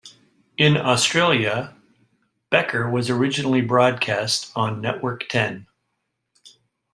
In Australia, "Becker" was originally broadcast on Network Ten.